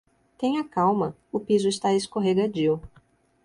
Tenha calma, o piso está escorregadio